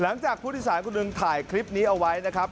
หลังจากผู้โดยสารคนหนึ่งถ่ายคลิปนี้เอาไว้นะครับ